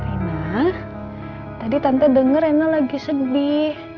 reina tadi tante denger reina lagi sedih